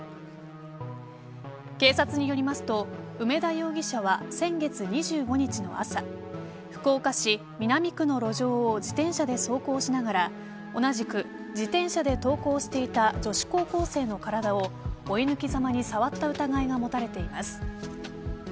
警察によりますと梅田容疑者は先月２５日の朝福岡市南区の路上を自転車で走行しながら同じく、自転車で登校していた女子高校生の体を追い抜きざまに触った疑いが持たれています。